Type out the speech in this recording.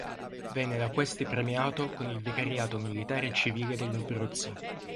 Venne da questi premiato con il vicariato militare e civile degli Abruzzi.